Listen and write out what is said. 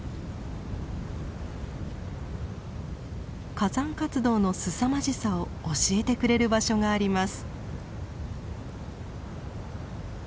火山活動のすさまじさを教えてくれる場所があります。